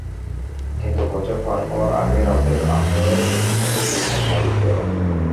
কিন্তু বছর পার হওয়ার আগেই রাতের আঁধারে প্রতিষ্ঠানটির লোকজন পালিয়ে গেল।